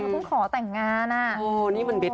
ใกล้ก็ต้องขอแต่งงานนี่มันเบ็ดใหญ่มากคุณผู้ชมนี่ระวังไว้นะ